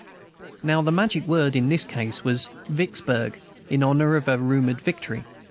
Now the magic word, in this case, was "Vicksburg," in honor of a rumored victory.